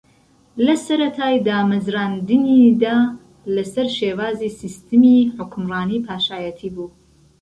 لە سەرەتای دامەزراندنییدا لەسەر شێوازی سیستمی حوکمڕانی پاشایەتی بوو